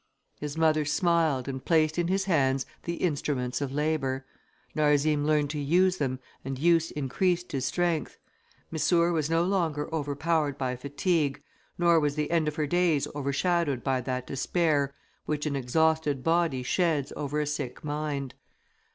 His mother smiled, and placed in his hands the instruments of labour. Narzim learned to use them, and use increased his strength. Missour was no longer overpowered by fatigue, nor was the end of her days overshadowed by that despair which an exhausted body sheds over a sick mind.